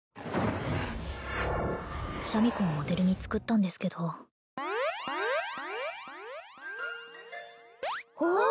シャミ子をモデルに作ったんですけどおお！